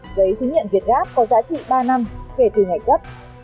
giấy chứng nhận việt gáp có giá trị ba năm kể từ ngày cấp